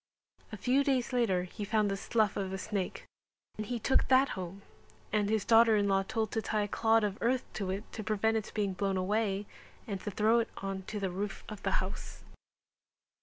A few days later he found the slough of a snake and he took that home and his daughter in law told to tie a clod of earth to it to prevent its being blown away, and to throw it on to the roof of the house.